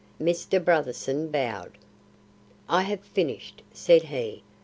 Mr. Brotherson bowed. "I have finished," said he.